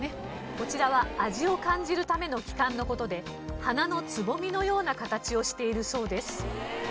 こちらは味を感じるための器官の事で花のつぼみのような形をしているそうです。